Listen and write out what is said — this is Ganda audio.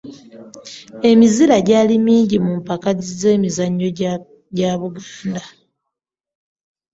Emizira gyali mungi mu mpaka z’emipiira gy’amasaza ga Buganda.